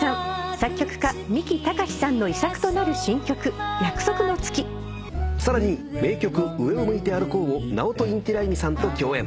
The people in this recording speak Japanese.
作曲家三木たかしさんの遺作となる新曲『約束の月』さらに名曲『上を向いて歩こう』をナオト・インティライミさんと共演。